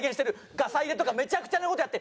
ガサ入れとかめちゃくちゃな事をやって。